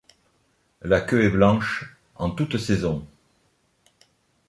La queue est blanche en toute saison.